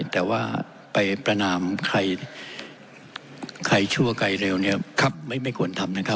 แต่ว่าไปประนามใครชั่วใกล้เร็วไม่ควรทำนะครับ